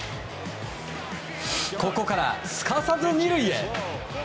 ここから、すかさず２塁へ。